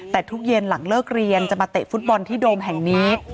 แต่ทุกเย็นหลังเลิกเรียนจะมาเตะฟุตบอลที่โดมแห่งนี้